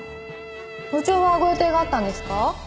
部長はご予定があったんですか？